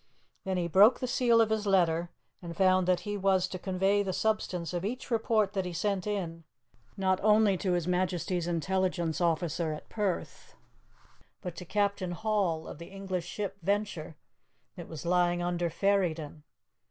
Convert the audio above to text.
Then he broke the seal of his letter, and found that he was to convey the substance of each report that he sent in, not only to His Majesty's intelligence officer at Perth, but to Captain Hall, of the English ship Venture, that was lying under Ferryden.